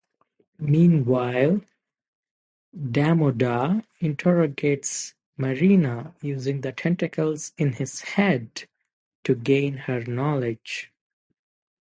Meanwhile, Damodar interrogates Marina, using the tentacles in his head to gain her knowledge.